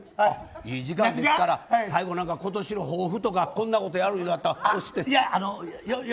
いい時間ですから、最後今年の抱負だとかこんなことやるって。